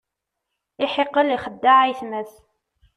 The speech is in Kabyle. Iḥiqel ixeddeɛ ayetma-s.